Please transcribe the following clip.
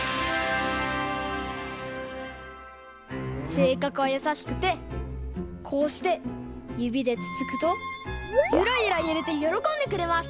せいかくはやさしくてこうしてゆびでつつくとゆらゆらゆれてよろこんでくれます。